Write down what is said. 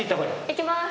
行きます。